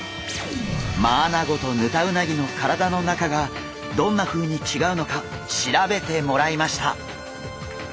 マアナゴとヌタウナギの体の中がどんなふうに違うのか調べてもらいました。